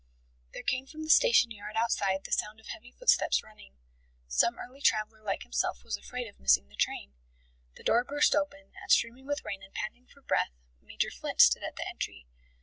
There came from the station yard outside the sound of heavy footsteps running. Some early traveller like himself was afraid of missing the train. The door burst open, and, streaming with rain and panting for breath, Major Flint stood at the entry.